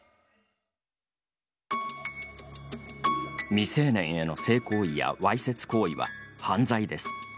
未成年への性行為やわいせつ行為は犯罪です。